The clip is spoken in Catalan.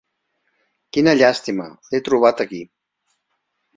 Quina llàstima, l'he trobat aquí.